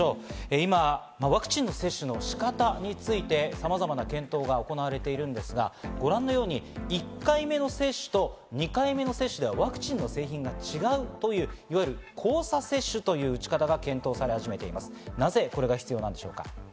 今、ワクチンの接種の仕方について、さまざまな検討が行われているんですが、ご覧のように１回目の接種と２回目の接種ではワクチンの種類が違うという、いわゆる交差接種という打ち方が検討され始めています。